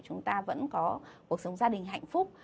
chúng ta vẫn có cuộc sống gia đình hạnh phúc